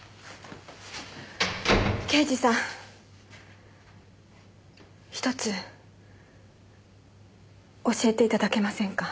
刑事さんひとつ教えていただけませんか？